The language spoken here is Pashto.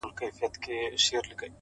• لكه ژړا ـ